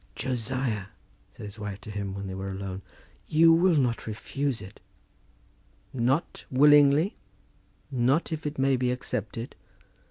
"Josiah," said his wife to him, when they were alone, "you will not refuse it?" "Not willingly, not if it may be accepted.